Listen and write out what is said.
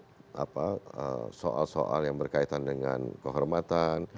jadi kita harus menjaga kebenaran soal soal yang berkaitan dengan kehormatan